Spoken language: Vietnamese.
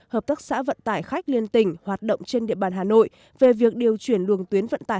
hợp tác xã vận tải khách liên tỉnh hoạt động trên địa bàn hà nội về việc điều chuyển luồng tuyến vận tải